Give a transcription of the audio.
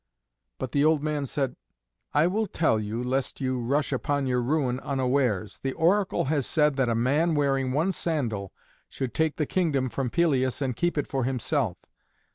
But the old man said, "I will tell you, lest you rush upon your ruin unawares. The oracle has said that a man wearing one sandal should take the kingdom from Pelias and keep it for himself.